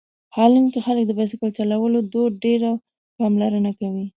هالنډ کې خلک د بایسکل چلولو دود ډېره پاملرنه کوي.